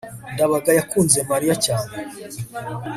ndabaga yakunze mariya cyane